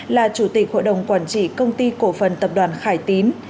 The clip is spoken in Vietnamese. là chủ tịch hội đồng quản trị công ty cổ phần tập đoàn khải tín